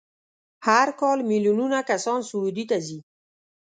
هر کال میلیونونه کسان سعودي ته ځي.